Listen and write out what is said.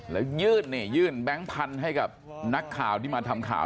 แล้วยื่นนี่ยื่นแบงค์พันธุ์ให้กับนักข่าวที่มาทำข่าว